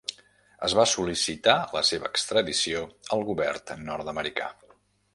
Es va sol·licitar la seva extradició al govern nord-americà.